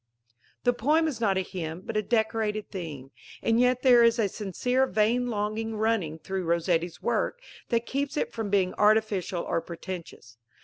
The poem is not a hymn but a decorated theme. And yet there is a sincere vain longing running through Rossetti's work that keeps it from being artificial or pretentious.